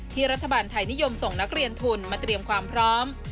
รัฐบาลไทยนิยมส่งนักเรียนทุนมาเตรียมความพร้อม